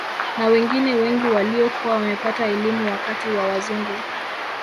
Na wengine wengi waliokuwa wamepata elimu wakati wa wazungu